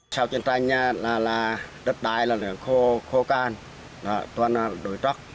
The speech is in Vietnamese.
sau chiến tranh đất đáy là khô can toàn đổi tróc